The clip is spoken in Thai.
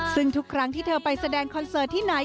ซึ่งทุกครั้งที่เธอไปแสดงคอนเสิร์ตที่ไหน